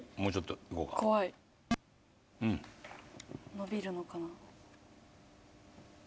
伸びるのかな？